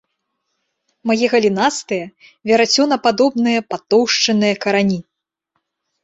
Мае галінастыя, верацёнападобныя патоўшчаныя карані.